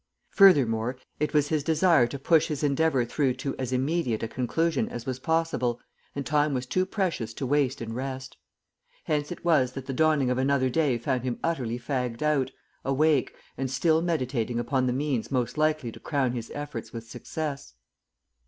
Furthermore, it was his desire to push his endeavour through to as immediate a conclusion as was possible, and time was too precious to waste in rest. Hence it was that the dawning of another day found him utterly fagged out, awake, and still meditating upon the means most likely to crown his efforts with success.